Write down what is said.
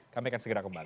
kami akan segera kembali